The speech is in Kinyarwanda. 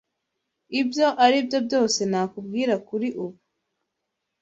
Ibyo aribyo byose nakubwira kuri ubu.